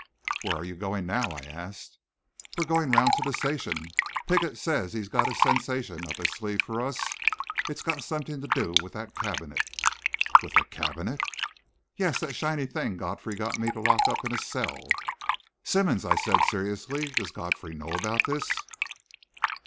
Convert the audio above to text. "Where are you going now?" I asked. "We're going round to the station. Piggott says he's got a sensation up his sleeve for us it's got something to do with that cabinet." "With the cabinet?" "Yes that shiny thing Godfrey got me to lock up in a cell." "Simmonds," I said, seriously, "does Godfrey know about this?"